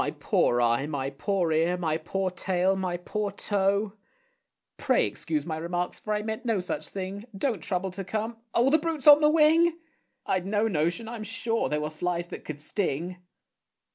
My poor eye! my poor ear! my poor tail! my poor toe! Pray excuse my remarks, for I meant no such thing. Don't trouble to come oh, the brute's on the wing! I'd no notion, I'm sure, there were flies that could sting.